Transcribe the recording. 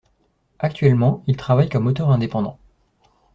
Actuellement, il travaille comme auteur indépendant.